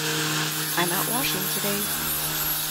I'm out washing today.